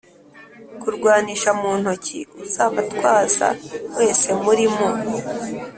Kurwanisha mu ntoki uzabatwaza wese muri mu